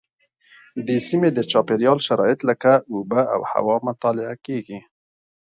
د سیمې د چاپیریال شرایط لکه اوبه او هوا مطالعه کېږي.